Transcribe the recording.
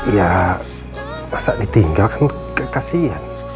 ya masa ditinggal kan kasihan